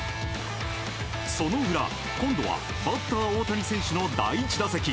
その裏、今度はバッター大谷選手の第１打席。